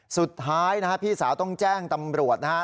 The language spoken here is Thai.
สุดท้ายนะฮะพี่สาวต้องแจ้งตำรวจนะฮะ